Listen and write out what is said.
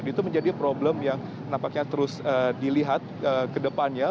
itu menjadi problem yang nampaknya terus dilihat ke depannya